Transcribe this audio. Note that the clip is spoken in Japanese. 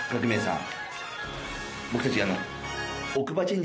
僕たち。